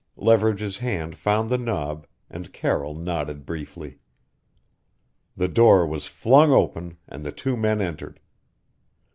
Leverage's hand found the knob, and Carroll nodded briefly. The door was flung open, and the two men entered.